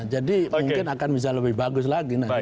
jadi mungkin akan bisa lebih bagus lagi